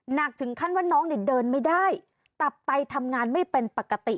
หนักถึงขั้นว่าน้องเนี่ยเดินไม่ได้ตับไตทำงานไม่เป็นปกติ